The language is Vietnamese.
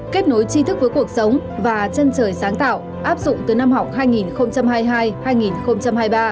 kết nối chi thức với cuộc sống và chân trời sáng tạo áp dụng từ năm học hai nghìn hai mươi hai hai nghìn hai mươi ba